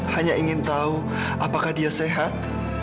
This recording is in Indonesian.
hanya ingin tahu apakah dia sehat